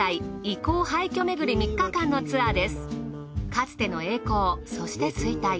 かつての栄光そして衰退。